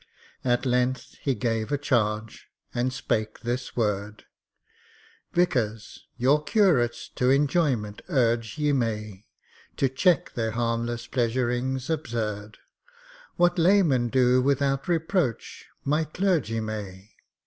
At length he gave a charge, and spake this word: "Vicars, your curates to enjoyment urge ye may; To check their harmless pleasuring's absurd; What laymen do without reproach, my clergy may."